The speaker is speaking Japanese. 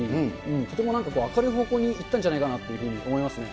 とてもなんか明るい方向にいったんじゃないかなっていうふうに思いますね。